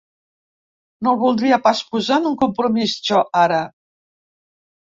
No el voldria pas posar en un compromís, jo ara.